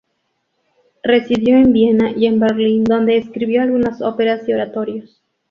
Residió en Viena y en Berlín donde escribió algunas óperas y oratorios.